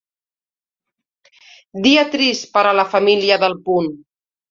Dia trist per a la família d’El Punt.